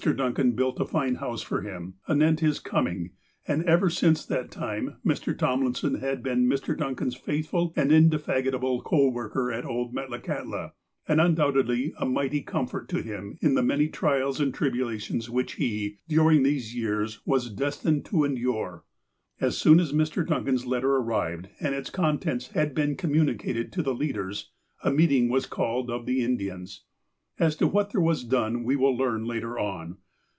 Duncan built a fine house for him, anent his com ing, and ever since that time Mr. Tomlinson had been Mr. Duncan's faithful and indefatigable co worker at old Metlakahtla, and undoubtedly a mighty comfort to him in the many trials and tribulations which he, dui'ing these years, was destined to endure. As soon as Mr. Duncan's letter arrived, and its con tents had been communicated to the leaders, a meeting was called of the Indians. As to what there was done, we will learn later on.